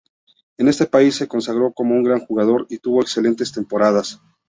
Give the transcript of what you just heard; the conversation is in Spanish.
En este país se consagró como un gran jugador, y tuvo excelentes temporadas.